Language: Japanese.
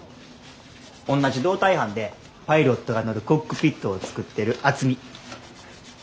おんなじ胴体班でパイロットが乗るコックピットを作ってる渥美。